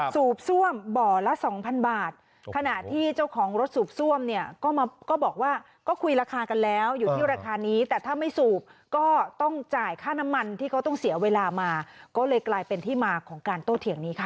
สูบซ่วมบ่อละสองพันบาทขณะที่เจ้าของรถสูบซ่วมเนี่ยก็มาก็บอกว่าก็คุยราคากันแล้วอยู่ที่ราคานี้แต่ถ้าไม่สูบก็ต้องจ่ายค่าน้ำมันที่เขาต้องเสียเวลามาก็เลยกลายเป็นที่มาของการโต้เถียงนี้ค่ะ